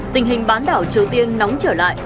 tình hình bán đảo triều tiên nóng trở lại